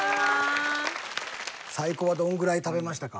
最高はどんぐらい食べましたか？